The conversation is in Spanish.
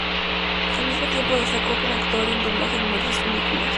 Al mismo tiempo, destacó como actor de doblaje en numerosas películas.